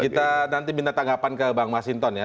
kita nanti minta tanggapan ke bang masinton ya